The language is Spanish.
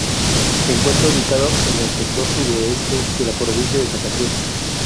Se encuentra ubicado en el sector sudoeste de la provincia de Santa Cruz.